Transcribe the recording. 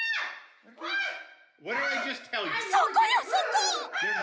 そこよ、そこ！